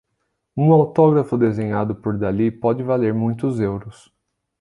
Um autógrafo desenhado por Dalí pode valer muitos euros.